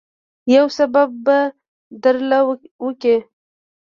يو سبب به درله وکي.